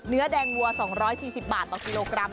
เนื้อแดงวัว๒๔๐บาทต่อกิโลกรัม